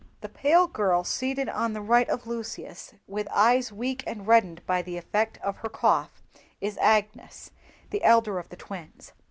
The pale girl seated on the right of Lucius, with eyes weak and reddened by the effect of her cough, is Agnes, the elder of the twins.